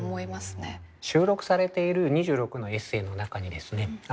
収録されている２６のエッセーの中にですね